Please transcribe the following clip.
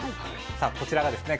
さあこちらがですね